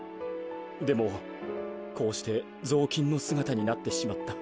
でもこうしてぞうきんのすがたになってしまった。